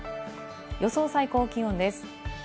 予想最高気温です。